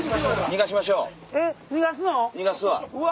逃がすわ。